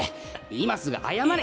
今すぐ謝れ！